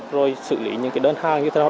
rồi xử lý những đơn hàng như thế nào